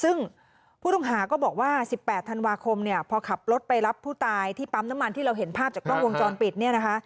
ซึ่งผู้ต้องหาก็บอกว่า๑๘ธันวาคมเนี่ยพอขับรถไปรับผู้ตายที่ปั๊มน้ำมันที่เราเห็นภาพจากกล้องวงจรปิดเนี่ยนะคะ